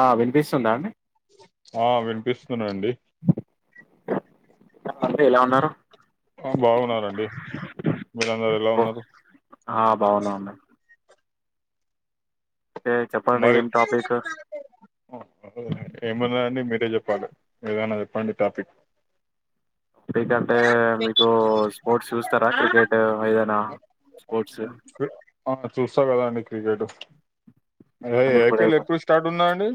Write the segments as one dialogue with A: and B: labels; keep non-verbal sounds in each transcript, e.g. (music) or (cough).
A: ఆ వినిపిస్తుందా అండి
B: ఆ వింపిష్ నండి
A: అంటే ఎలా ఉన్నారు
B: బాగున్నారండి మీరు అందర ఎలా ఉన్నారు
A: బాగున్నాన్నా చెప్పండి
B: మరి
A: ఏం టాపిక్
B: ఏమన్నాడి మీరే చెపరు ప్పడు ఇదనా అది ఎప్పంంటి టాపిక్
A: మీకంటే మీకు స్పోర్ట్స్ చూస్తారా క్రికెట్ ఏదైనా స్పోర్ట్స్
B: ఆ చూస్తా కదాండి క్రికెట్ అదే
A: అంటే ఇప్పుడు
B: ఏపిల్
A: ఏం-
B: ఎప్పుడు స్టార్ట్ ఉన్నది అండి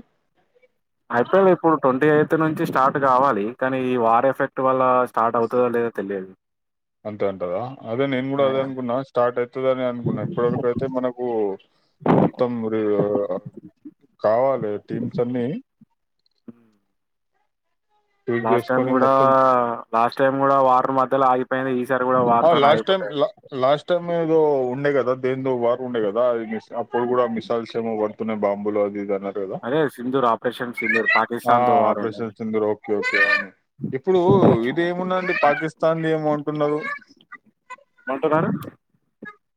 A: ఐపీఎల్ ఎప్పుడు ట్వంటీ ఎయిట్ త్ నుంచి స్టార్ట్ గావాలి కానీ ఈ వార్ ఎఫెక్ట్ వల్ల స్టార్ట్ అవుతుందో లేదో తెలియదు
B: అంతే అంటదా అదే నేను కూడా అదే అనుకున్నా స్టార్ట్ ఐతది అనే అనుకున్నా ఇప్పటివరకైతే మనకు మొత్తం (unintelligible) కావాలి టీమ్స్ అన్నీ చూజ్
A: లాస్ట్ టైం
B: చేసుకొని
A: గూడా లాస్ట్ టైం గూడా వార్ మధ్యలో ఆగిపోయింది ఈసారి కూడా
B: ఆ
A: వార్తోనే
B: లాస్ట్ టై
A: ఆగిపోతాది
B: లాస్ట్ టైమ్ ఇో ఉండగ అద దే వారు ఉండే కదా అది అప్పుడు కూడా మిసాల్స్ ఏమో పడుతున్నాయి బాంబులు అది అన్నారు కదా
A: అరే సిందూర్ ఆపరేషన్ సిందూర పాకిస్తన్తో వ
B: సక ఇప్పుడు ఇది ఏమున్నాండి పాకిస్తాన్ ఏ బాగుంటున్నారు
A: ఏమంటన్నారుారా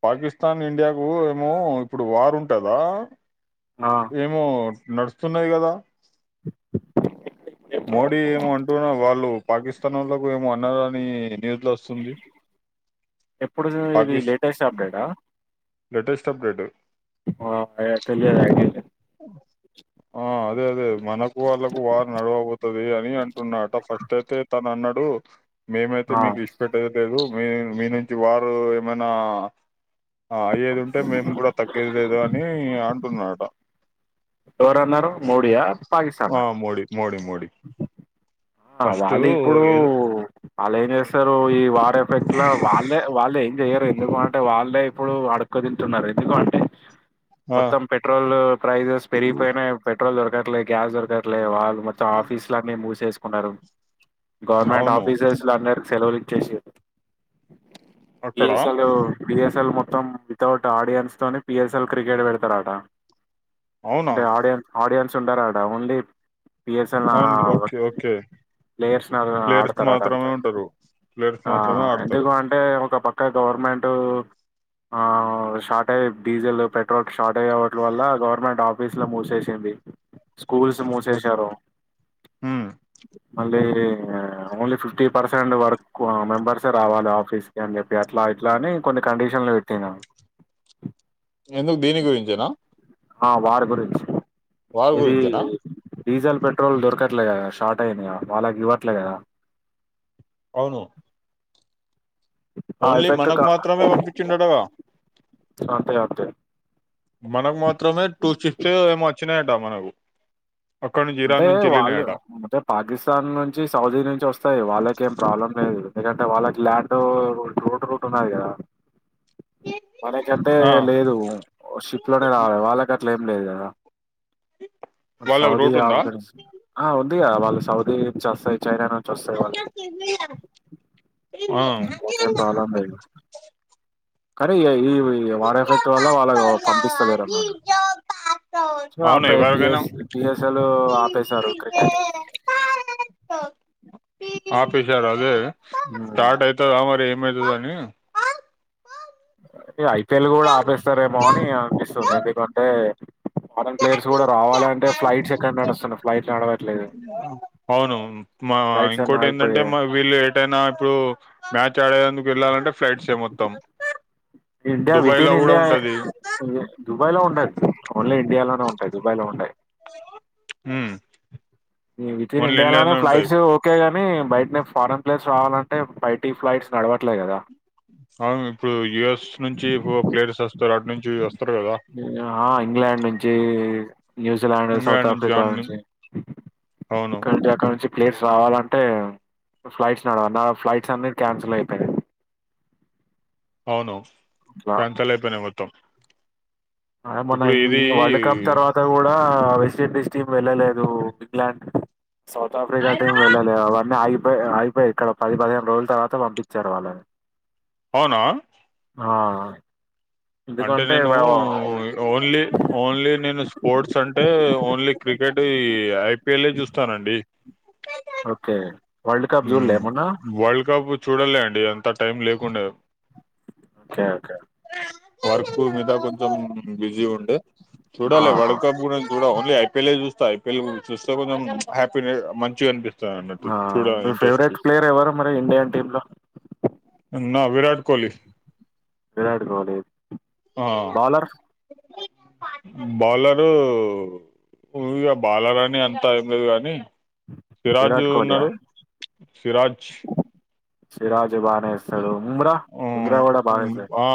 B: పాకిస్తాన్ ఇండియాకు ఏమో ఇప్పుడు వార్ ఉంటదా
A: ఆ,
B: ఏమో నడుస్తున్నాయి కదా
A: ్్
B: మోడీ ఏమో అంటున్నారు వాళ్ళు పాకిస్తానోల్లకు ఏమో అన్నారని
A: ఎప్పుడు ఇ ఇవి
B: పాకిస్
A: లేటెస్ట్ అప్డేటా
B: లేటెస్ట్ అప్డేట్
A: (inaudible)
B: ఆ అదే అదే మనకు వాళ్ళకు వార్ నడవబోతది అని అంటున్నడట ఫస్ట్ అయితే తన అన్నట్టు రు మేమైతే
A: ఆ
B: మీకు ఇడిసిపెట్టేది లేదు మీ మీ నుంచి వార్ ఏమైనా ఆ అయ్యేది ఉంటే మేము కూడా తగ్గేది లేదు అని అంటున్నాడట
A: ఎవరన్నారు మోడీ యా
B: వా మోడి మోడి మోడ్
A: ఆ వాళ్ళిప్పుడు
B: ఏదో
A: వాళ్ళు ఏం చేస్తారు ఈ వా పెట్లా వాళ్ళే వాళ్ళే చెయ్యరు ఎందుకు అంటే వాళ్ళే ఇప్పుడు అడక్క తింటున్నారు ఎందుకు అంటే
B: ఆ
A: మొత్తం పెట్రోల్ ప్రైజెస్ పెరిగిపోయినా ఏం పెట్రోల్ దొరకట్లే గ్యాస్ దొరకట్లే వాళ్ మొత్తం ఆఫీస్ లు అన్ని మూసేసి ఉన్నారు గవర్నమెంట్
B: అవును
A: ఆఫీసెస్ లో అందరూ సెలవులు ఇచ్చేసి
B: అక్కడ
A: బిఎస్ఎల్ బిఎస్ ల్ మొత్తం వితౌట్ ఆడియన్స్ తో పిఎస్ఎల్ క్రికెట్ పెడతారట
B: అవునా
A: అంటే ఆడియన్ ఆడియన్స్ చుండరట ఓన్లీ బిఎస్ఎల్
B: అవును ఓకే ఓకే
A: ప్లేయర్స్
B: ప్లేయర్స్
A: ఆడతారట
B: మాత్రమే ఉంటారు ప్లేయర్స్
A: ఆ
B: మాత్రమే ఆడతారు
A: ఎందుకు అంటే ఒక పక్క గవర్నమెంట్, ఆ షార్టేజ్ డీజిల్ పెట్రోల్ షార్టేజ్ అవ్వడం వల్ల గవర్నమెంట్ ఆఫీసులో మూసేసింది. స్కూల్స్ మూసేసారు
B: మ్మ్
A: (unintelligible) only fifty percent work members రావాలి ఆఫీస్ కి అని చెప్పి అట్లా ఇట్లా అని కొన్ని కండిషన్లు పెట్టింరు
B: ఎందుకు దీని గురించేనా
A: అ వార్ గురిం
B: వార్ గురించనా
A: డిజల్ పెట్ పెట్రోల్ దొరకట్లేదు కదా షార్ట్ అయినాయా వాళ్ళకి ఇవ్వట్లే కదా
B: అవును
A: ఆ
B: ఓన్లీ
A: ఎఫెక్ట్
B: మనకు
A: కా
B: మాత్రమే పంపించిండడుగా
A: అంతే అంతె
B: మనకు మాత్రమే టూ చిప్స్ ఎమో వచ్చినాయంట మనకు అక్కడ నుంచి
A: అంటే
B: ఇరాన్ నుంచి
A: వాళ్ళు
B: వెళ్ళినాయట
A: అంటే పాకిస్తాన్ నుంచి సౌదీ నుంచి వస్తాయి వాళ్ళకి ఏం ప్రాబ్లం లేదు ఎందుకంటే వాళ్ళకి ల్యాండ్ రోడ్ రూట్ ఉన్నది కదా మనకంటే
B: ఆ
A: లేదు షిప్ లోనే రావాలి వాళ్ళకం అట్లం లేదు కద
B: బాలగ రోడ్
A: (unintelligible)
B: ఉందా
A: ఇదియా సౌదీ చషాయి చైనా నుంచి వస్తాయి వాళ్ళకి
B: ఆ
A: వాటర్ నానా పైప్ కానీ ఈ వాటర్ ఎఫెక్ట్ వల్ల వాళ్ళ పంపిస్తలేరు అన్నమాట. స ఆ
B: అవును ఎవరికైనా
A: బిస్ బిఎస్ఎల్ ఆపేశారు క్రికెట్
B: ఆఫీసర్ అదే
A: ఉమ్.
B: స్టార్ట్ అయితద అమరి మదుదాని
A: ఎ అయ్ తెలుగు కూడా ఆపేస్తారేమో అని అనిపిస్తుంది ఎందుకంటే ఫారెన్ ప్లేయర్స్ కూడా రావాలంటే ఫ్లైట్స్ ఎక్కండ నడుస్తున్నా ఫ్లైట్ నడవా
B: అవునువును మా
A: ఫ్లైట్స్ అన్ని
B: ఇంకోటి ఏంటంటే
A: ఆగిపోయాయి
B: మా వీళ్ళు ఏటైనా ఇప్పుడు మ్యాచ్ ఇక్కడేందుకు వెళ్ళాలంటే ఫ్లైట్స్ ఏ మొత్తాం
A: ఇండియా వితి ఇన్ ఇండియా దుబాయ్ లో ఉండది, ఓన్లీ ఇండియాలోనే ఉంటాయి. దుబాయ్ లో ఉంటాయి.
B: ఊ
A: విత్ఇన్ ఇండియాలను ఫ్లైట్స్ ఓకే కానీ బయటనే ఫారెన్ ప్లేస్ రావాలంటే బైటీ ఫ్లైట్స్ నడవట్లే కదా
B: అవును ఇప్పుడు యుఎస్ నుంచి ప్లేయర్స్ వస్త థర్డ్ నుచ్చి చా
A: ఆహా ఇంగ్లాండ్ నుంచి న్యూజిలాండ్ సౌత్
B: ఇంగ్లాండ్
A: ఆఫ్రికా
B: దాని.
A: నుంచి
B: అవును
A: ఇక్కడ అంటే అక్కడ నుంచి ప్లేయర్స్ రావాలంటే ఫ్లైట్స్ నడవాలి నా ఫ్లైట్స్ అన్ని క్యాన్సిల్ అయిపోయినాయి
B: అవును చన్ చల్ అయిపెయినై మొత్తం
A: అదే మొన్న
B: ఇప్పుడు ఇది
A: (unintelligible) వరల్డ్ కప్ తర్వాత గుడా వెస్ట్ ఇండీస్ టీమ్ వెళ్ళలేదు ఇంగ్లాండ్ సౌత్ ఆఫ్రిక టీమ్ వెళ్లే అవన్నీ ఆగి అయి అయిపోయి ఇక్కడ పది పదిహేను రోజుల తర్వాత పంపించారు వాళ్ళని
B: అవునా
A: ఆ
B: అంటే
A: ఎందుకంటే
B: నేను ఓన్లీ ఓన్లీ నేను స్పోర్ట్స్ అంటే ఓన్లీ క్రికెట్ ఐపిఎల్ చూస్తానండి
A: ఓకే వరల్డ్ కప్
B: హు
A: చూడలే మొన్న
B: వరల్డ్ కప్ చూడాలే అండి ఎంత టైం లేకుండే
A: ఓకే ఓకే
B: వర్క్ మీద కొంచెం బిజీ ఉండే చూడాల
A: ఆహా
B: వరల్డ్ కప్ కూడా చూడవ ఐపిఎల్ చూస్తా ఐపీఎల్ చూస్తే కొంచం హ్యాపీ మంచిగా అనిపిస్తంది సనాటి
A: ఆ మీ ఫేవరెట్ ప్లేయర్ ఎవరు మరి ఇండియన్ టీమ్ లో
B: నా విరాట్ కోహ్లీ
A: విరాట్ కోహ్లీ
B: ఆ
A: బౌలర్
B: బౌలరు ఇగా బాలర్ అని అంత ఏంలేదు కానీ సిరాజు
A: విరాట్ కోహ్లీయా
B: ఉన్నాడు సిరాజ్
A: సిరాజ్ బానే ఎస్తాడు బుమ్రా బుమ్రా కూడా బా ఎస్తాడు
B: ఆ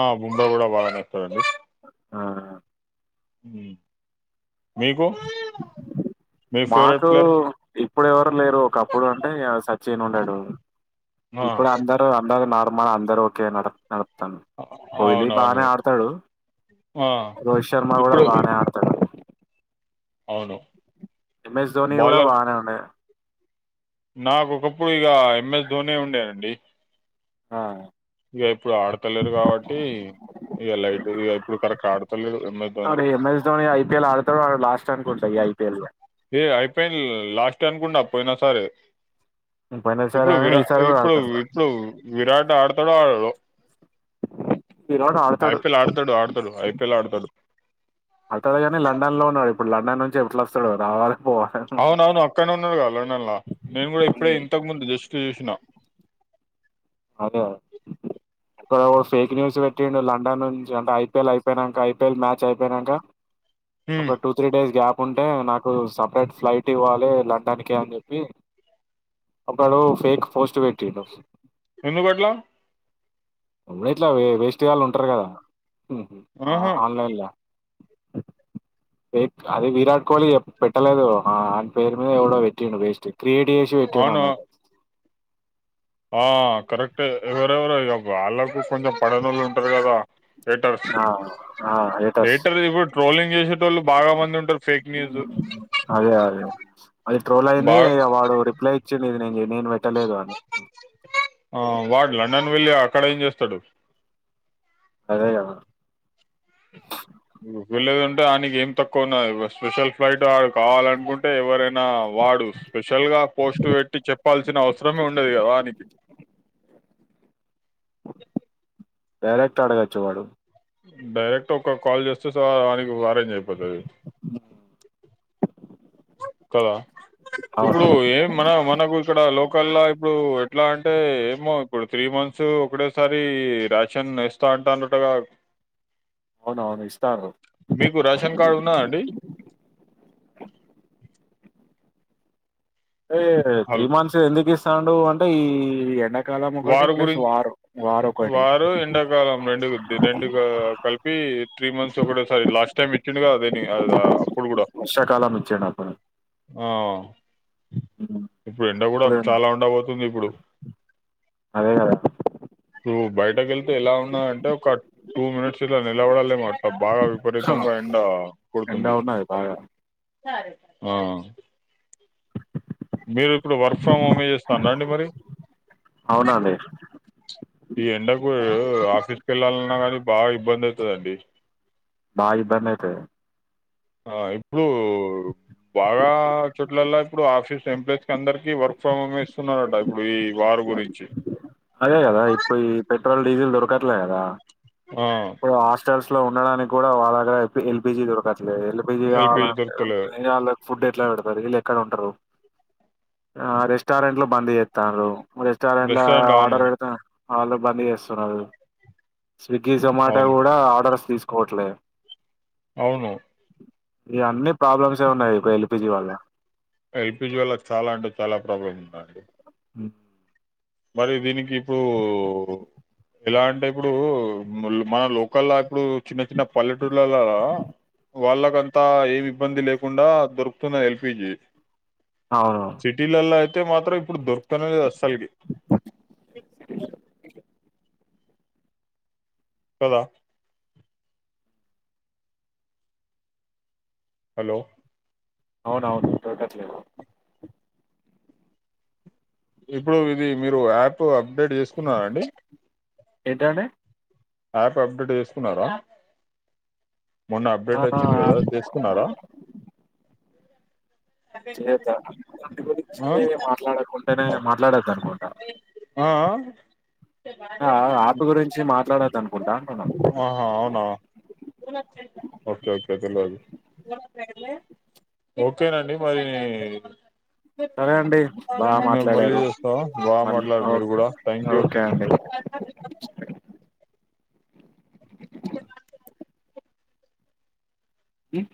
B: కూడా బాగానే ఒస్తదండీ
A: ఆ
B: మీకు మీ ఫేవరెట్
A: మాకు
B: ప్లేయర్
A: ఇప్పుడు ఎవరు లేరు ఒకప్పుడు అంటే సచిన్ ఉండడు
B: ఆ,
A: ఇప్పుడు అందరు అందరు నార్ మా అందరు ఓకే నాడ్ నాడ్ తను కోహ్లీ
B: అవునవును
A: బానే ఆడతాడు.
B: ఆ,
A: రోహిత్ శర్మ కూడా
B: ఇప్పుడు ఇ-
A: బానే ఆడతాడు.
B: అవును
A: ఎం ఎస్ ధోని కూడా బానే ఉన్నె
B: నాక ఒకప్పుడు ఇగా ఎంఎస్ ధోని ఉండే అండి
A: ఆ
B: ఇక ఇప్పుడు ఆడతలేరు కాబట్టి ఇక లైట్ ఇగ ఇప్పుడు కరెక్ ఆడతలేడు. ఎమ్ ఎస్ దోని
A: అరే ఎంఎస్ ధోని ఐపీఎల్ ఆడతాడు ఆడు లాస్ట్ అనుకుంటా ఈ ఐపీఎల్ లో
B: ఏ ఐ పిల్ లాస్ట్ అనుకుండా పోయినా సరే ఇప్పుడు
A: పోయినసారిలానే
B: విరా
A: ఈసారి కూడా
B: ఇప్పుడు
A: ఆడతారు సార్.
B: ఇప్పుడు విరాట్ ఆడ్ తాడో ఆడడో
A: విరాట్ ఆడతాడు
B: ఐపీఎల్ ఆడతాడు ఆడతాడు ఐపీఎల్ ఆడతాడు
A: ఆడుతడుకాని లండన్ లో ఉన్నాడు. ఇప్పుడు లండన్ నుంచి ఏట్లా వస్తాడో రావాలే.
B: అవున అవును అక్కన్నే ఉన్నాడుగా లండన్ లా నేను కూడా ఇప్పుడే ఇంతకు ముందు జస్ట్ చూసినా.
A: అదే ఇక్కడ ఓ ఫేక్ న్యూస్ పెట్టిండు. లండన్ నుంచి అంటే ఐపీఎల్ అయిపోనాక ఐపీఎల్ మ్యాచ్ అయిపోయానాక ఒక టూ త్రీ డేస్ గ్యాప్ ఉంటే నాకు సపరేట్ ఫ్లైట్ ఇవ్వాలి. లండన్కి అని చెప్పి ఒకడు ఫేక్ పోస్ట్ పెట్టిండు.
B: ఎందుకట్లా
A: వీట్లా వె వేస్టుగాళ్ళు ఉంటారు గదా
B: ఆహా
A: ఆన్లైన్ల అది విరాట్ కోహ్లీ పెట్టలేదు ఆని పేరు మీద ఎవడో పెట్టిండు వేస్ట్ క్రీయేట్ చేసి
B: అవును
A: పెట్టిడన్నట్టు
B: ఆ కరెక్టే ఎవరెవరో ఇగ వాళ్లకు కొంచెం పడనోళ్ళు ఉంటారు కదా. డేటర్
A: ఆ ఆ హేటర్స్
B: డేటర్ ఇ కూడ్ ట్రోలింగ్ జేసి
A: అదే అదే అది ట్రోల్ అయింది.
B: బాగా
A: వాడు రిప్లై ఇచ్చింది ఇది నేను చె
B: ఆ వాడ్ లండన్ వెళ్ళా క్కడ ఏం చేస్తాడు
A: అదేగదా
B: వెళ్ళదుంటే ఆనికి ఏం తక్కువ ఉన్నది స్పెషల్ ఫ్లైట్ వాడు కావాలనుకుంటే ఎవరైనా వాడు స్పెషల్ గా పోస్ట్ పెట్టి చెప్పాల్సిన అవసరమే ఉండదు కదా వానికి
A: డైరెక్ట్ అడగచ్చు వాడు
B: డైరెక్ట్ ఒక కాల్ చేస్తే సో ఆనికి వరేంజ్ పోతది కదా
A: అవును
B: ఇప్పుడు ఏం మన మనకు ఇక్కడ లోకల్లా ఇప్పుడు ఎట్లా అంటే ఏమో ఇప్పుడు త్రీ మంత్స్ ఒకటేసారి రేషన్ ఇస్తా అంటాడన్నటగా
A: అవునవును ఇస్తారు
B: మీకు రేషన్ కార్డు ఉన్నద అండి
A: ఏ త్రీ
B: హల్
A: మంత్స్ ఎందుకు ఇస్ ఇత్తాండు అంటే ఈ ఎండ
B: వారు గురించి
A: ఒకటి
B: వారు ఎండాకాలం రెండు రెండు కలిపి త్రీ మంత్స్ ఒకటే సారి లాస్ట్ టైమ్ చిన్నగా అదే అదా
A: వర్షాకాలం వచ్చేటప్పుడు
B: ఆ ఇప్పుడు ఎండ కూడా చాలా ఉండ పోతుంది ఇప్పుడు
A: అదే కదా
B: నువ్వు బయటకి వెళ్తే ఎలా ఉన్నా అంటే ఒక టూ మినిట్స్ ఇలా నిలబడలేమ అట్ట బాగా విపరీతంగా ఎండ
A: ఎండ
B: కొడుతుంది
A: ఉన్నది బాగా
B: ఆ మీరు ఇప్పుడు వర్క్ ఫ్రమ్ హోమే చేస్తార అండి మరి
A: అవునండి
B: ఈ ఎండకు ఆఫీస్కి వెళ్ళాలన్నా కానీ బాగా ఇబ్బంది అయితదండి
A: బా ఇబ్బంది అయితది
B: ఆ ఇప్పుడు బాగా చోట్లలా ఇప్పుడు ఆఫీస్ ఎంప్లాయస్ కి అందరికి వర్క్ ఫ్రమ్ హోమే ఇస్తున్నారట ఇప్పుడు ఈ వారు గురించి.
A: అదే గదా ఇప్పుయి పెట్ పెట్రోల్ డీజిల్ దొరకట్లే గదా
B: ఆ
A: పోయ్ హాస్టల్స్ ల్లో ఉండడానికి కూడా వాళ్ళ దగ్గర ఎల్ పీ ఎల్పీజీ దొరకట్ లేదు ఎల్ పీజి
B: ఎల్పిజి
A: కావాలంటే
B: దొరుకుతలేదు
A: మళ్లీ వాళ్ళక్ ఫుడ్ ఎ ఎట్లా పెడతురు వీళ్ళు ఎక్కడ ఉంటరు. ఆ రెస్టారెంట్ లో బంద్ చేత్తర్రు. రెస్టారెంటా
B: రెస్టారెంట్ అవును
A: బరత ఆలోపే అన్ని చేస్తారు వాళ్లు స్విగ్గి, జొమాటో
B: అవును
A: కూడా ఆర్డర్స్ తీసు పోట్లే
B: అవును
A: ఇ అన్ని ప్రాబ్లమ్స్ ఉన్నాయి ఇ ఎల్పిజీ వల్ల
B: ఎల్పిజీ వాళ్ళకి చాలా అంటే చాలా ప్రాబ్లమ్ ఉందండి
A: హ్మ్
B: మరి దీనికి ఇప్పుడు ఎలా అంటే ఇప్పుడు మన లోకల్ ఇప్పుడు చిన్న చిన్న పల్లెటూళ్లలా వాళ్ళకంతా ఏమి ఇబ్బంది లేకుండా దొరుకుతున్నయ్ ఎల్పీజి.
A: అవును
B: సిటీల ల్లో కే మాత్రం ఇప్పుడు దొర్కుతలేదస్స్ కదా హలో
A: అవును అవును దొరకట్లేదు
B: ఇప్పుడు ఇది మీరు యాప్ అ ప్డేట్ చేసుకున్నార అండి
A: ఏంటండి
B: యాప్ అప్డేట్ చేసుకున్నారా మొన్న అప్డేట్ వచ్చింది
A: ఆ
B: కదా చేసుకున్నారా
A: చేద్దా దాని గురించి
B: ఆ!
A: మాట్లాడకుంటేనే మాట్లాడొద్దు అనుకుంట,
B: ఆ! ఆ!
A: ఆ ఆ యాప్ గురించి మాట్లాడొద్దు అను
B: ఆహా అవునా ఓకే ఓకే గురు ఓకేనండి మరి
A: సరే అండి బాగా
B: మేము మళ్ళీ
A: మాట్లాడారు
B: చేస్తా బాగా
A: మళ్ళీ
B: మాట్లాడు మీరు
A: ఓకే
B: కూడా థ్యాంక్ యూ,
A: ఓకే అండి హ్మ్